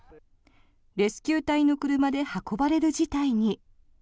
レスキュー隊の車で運ばれる事態に。